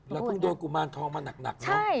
แล้วพึ่งโดยกุมารทองมาหนักเนอะ